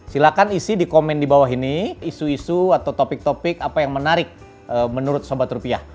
silahkan isi di komen di bawah ini isu isu atau topik topik apa yang menarik menurut sobat rupiah